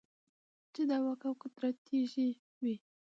چـې د واک او قـدرت تـېږي وي .